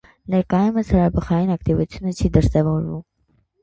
Ներկայումս հրաբխային ակտիվությունը չի դրսևորվում։